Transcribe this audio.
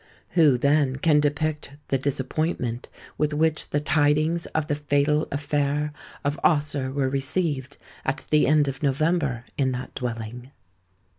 Who, then, can depict the disappointment with which the tidings of the fatal affair of Ossore were received, at the end of November, in that dwelling?